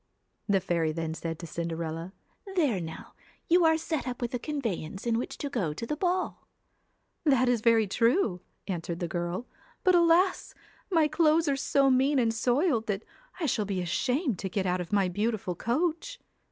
The fairy then said to Cinderella :' There now, you are set up with a conveyance in which to go to the ball.' ' That is very true,' answered the girl, ' but, alas ! my clothes are so mean and soiled, that I shall be ashamed to get out of my beautiful coach.'